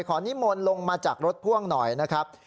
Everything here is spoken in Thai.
นิมนต์ลงมาจากรถพ่วงหน่อยนะครับ